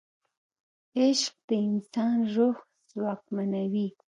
عشق د انسان روح ځواکمنوي.